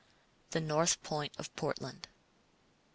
THE NORTH POINT OF PORTLAND.